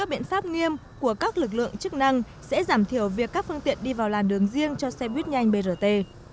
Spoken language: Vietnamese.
các biện pháp nghiêm của các lực lượng chức năng sẽ giảm thiểu việc các phương tiện đi vào làn đường riêng cho xe buýt nhanh brt